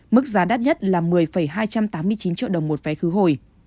mức giá đắt nhất là một mươi hai trăm tám mươi chín triệu đồng một vé khứ hồi